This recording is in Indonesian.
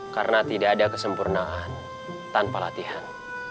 karena tidak ada kesempurnaan tanpa latihan